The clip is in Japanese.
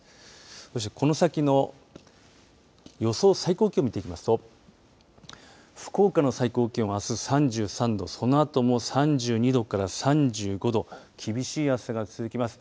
そしてこの先の予想最高気温、見ていきますと福岡の最高気温はあす３３度そのあとも３２度から３５度、厳しい暑さが続きます。